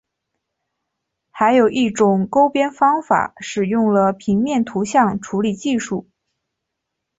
还有一种勾边方法使用了平面图像处理技术。